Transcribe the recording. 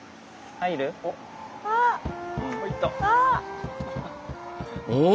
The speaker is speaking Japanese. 入る？おっ？